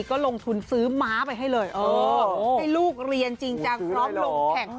ก็ลงทุนซื้อม้าไปให้เลยเออให้ลูกเรียนจริงจังพร้อมลงแข่ง